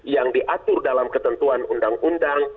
yang diatur dalam ketentuan undang undang